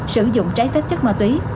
sử dụng trái phép chất ma túy